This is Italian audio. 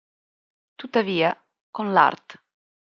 Tuttavia, con l'art.